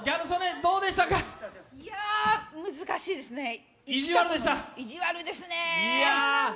いやー、難しいですね、意地悪ですね！